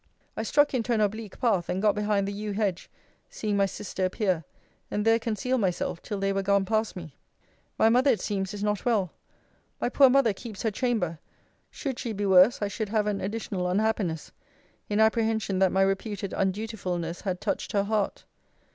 I struck into an oblique path, and got behind the yew hedge, seeing my sister appear; and there concealed myself till they were gone past me. My mother, it seems is not well. My poor mother keeps her chamber should she be worse, I should have an additional unhappiness, in apprehension that my reputed undutifulness had touched her heart.